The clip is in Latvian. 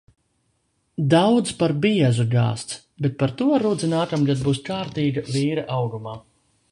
Daudz par biezu gāzts, bet par to rudzi nākamgad būs kārtīga vīra augumā.